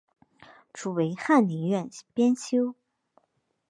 初为翰林院编修。